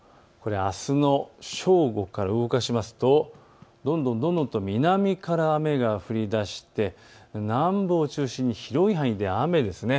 あすの正午から動かしますとどんどん南から雨が降りだして南部を中心に広い範囲で雨です。